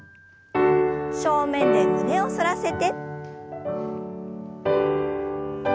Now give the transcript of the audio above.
正面で胸を反らせて。